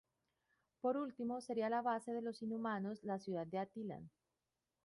Por último, sería la base de los inhumanos, la ciudad de Attilan.